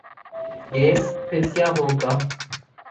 گے، پھر کیا ہو گا؟